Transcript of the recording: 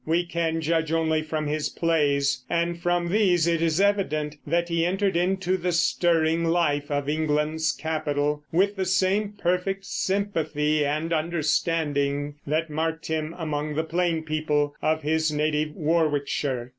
We can judge only from his plays, and from these it is evident that he entered into the stirring life of England's capital with the same perfect sympathy and understanding that marked him among the plain people of his native Warwickshire.